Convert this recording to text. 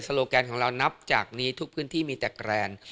โลแกนของเรานับจากนี้ทุกพื้นที่มีแต่แกรน